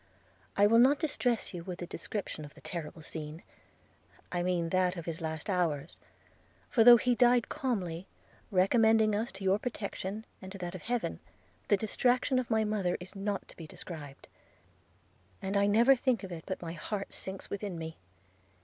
'I will not distress you with a description of the terrible scene – I mean that of his last hours; for, though, he died calmly, recommending us to your protection and to that of Heaven, the distraction of my mother is not to be described; and I never think of it but my heart sinks within me.